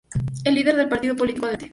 Es líder del Partido Político Adelante.